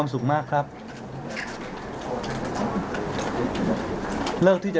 พร้อมแล้วเลยค่ะ